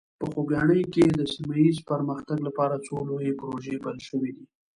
په خوږیاڼي کې د سیمه ایز پرمختګ لپاره څو لویې پروژې پیل شوي دي.